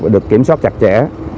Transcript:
được kiểm soát chặt chẽ